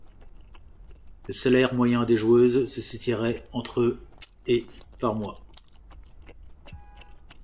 Le salaire moyen des joueuses se situerait entre et par mois.